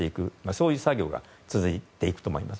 そういう作業が続いていくと思います。